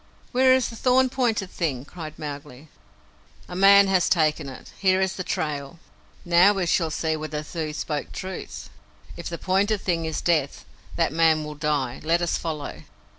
"Where is the thorn pointed thing?" cried Mowgli. "A man has taken it. Here is the trail." "Now we shall see whether the Thuu spoke truth. If the pointed thing is Death, that man will die. Let us follow."